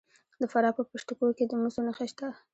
د فراه په پشت کوه کې د مسو نښې شته.